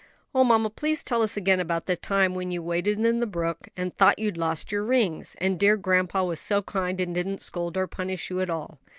"Oh, mamma, please tell us again about the time when you waded in the brook, and thought you'd lost your rings; and dear grandpa was so kind and didn't scold or punish you at all."